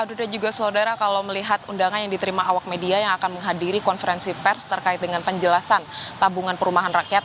ada juga saudara kalau melihat undangan yang diterima awak media yang akan menghadiri konferensi pers terkait dengan penjelasan tabungan perumahan rakyat